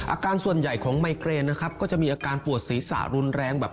อาการส่วนใหญ่ของไมเกรนนะครับก็จะมีอาการปวดศีรษะรุนแรงแบบ